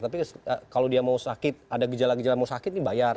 tapi kalau dia mau sakit ada gejala gejala mau sakit dibayar